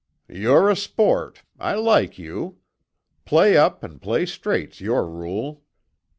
"You're a sport; I like you! Play up and play straight's your rule."